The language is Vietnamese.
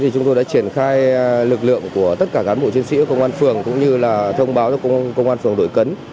chúng tôi đã triển khai lực lượng của tất cả cán bộ chiến sĩ công an phường cũng như thông báo cho công an phường đội cấn